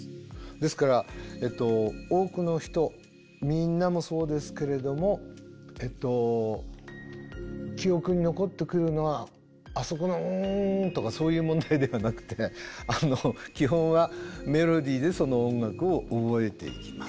ですから多くの人みんなもそうですけれども記憶に残ってくるのはあそこの「うーん」とかそういう問題ではなくて基本はメロディーでその音楽を覚えていきます。